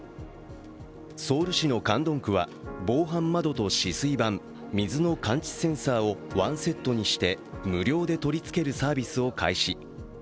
ソウル市のカンドン区は、防犯窓と止水板、水の感知センサーを１セットにして無料で取り付けるサービスを開始。